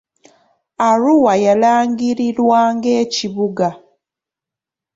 Arua yalangirirwa ng'ekibuga.